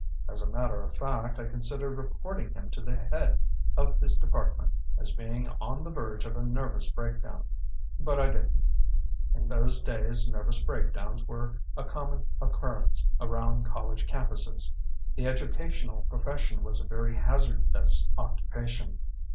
As a matter of fact, I considered reporting him to the head of his department as being on the verge of a nervous breakdown. But I didn't. In those days, nervous breakdowns were a common occurrence around college campuses. The educational profession was a very hazardous occupation.